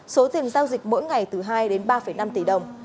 số tiền giao dịch mỗi ngày từ hai đến ba năm tỷ đồng